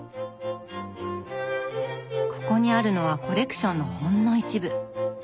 ここにあるのはコレクションのほんの一部。